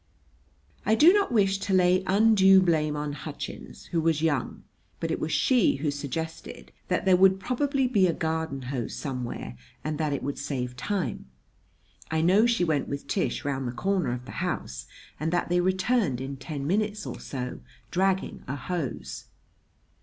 I do not wish to lay undue blame on Hutchins, who was young; but it was she who suggested that there would probably be a garden hose somewhere and that it would save time. I know she went with Tish round the corner of the house, and that they returned in ten minutes or so, dragging a hose.